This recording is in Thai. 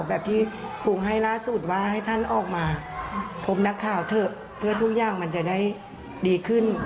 แบบที่ครูให้ล่าสุดว่าให้ท่านออกมาพบนักข่าวเถอะเพื่อทุกอย่างมันจะได้ดีขึ้น